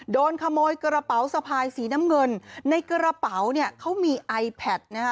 โดนขโมยกระเป๋าสะพายสีน้ำเงินในกระเป๋าเนี่ยเขามีไอแพทนะฮะ